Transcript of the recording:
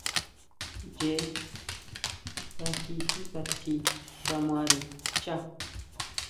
Ñee kaji síkʼatji kamare xchá.